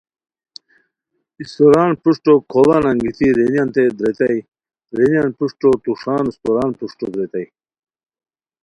استوران پروشٹو کوڑان انگیتی رینیانتے دریتائے، رینیان پروشٹو توݰان استوران پروشٹو دریتائے